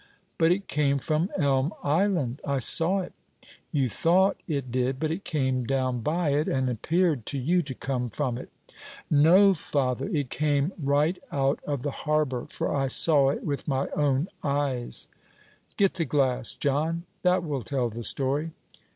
"But it came from Elm Island; I saw it." "You thought it did; but it came down by it, and appeared to you to come from it." "No, father; it came right out of the harbor, for I saw it with my own eyes." "Get the glass, John; that will tell the story."